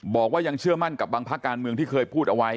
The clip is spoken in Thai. บอกว่ายังเชื่อมั่นกับบางพักการเมืองที่เคยพูดเอาไว้